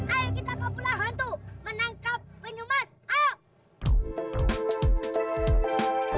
ayo kita pulang ke pulau hantu menangkap penyumas ayo